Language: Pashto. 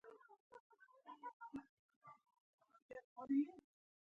ده وویل دنیا وښیه ما ورته په سر.